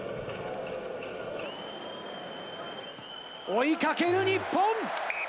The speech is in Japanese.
追いかける日本！